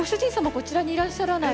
こちらにいらっしゃらない。